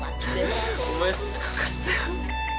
お前、すごかったよ。